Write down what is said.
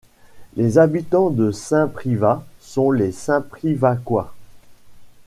Les habitants de Saint-Privat sont les Saint-Privacois.